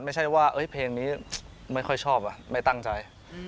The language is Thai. ไม่ใช่ว่าเพลงนี้ไม่ค่อยชอบไม่ตั้งใจ